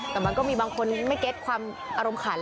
แต่มันก็มีบางคนไม่เก็ตความอารมณ์ขัน